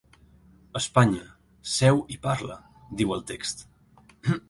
Espanya: seu i parla, diu el text.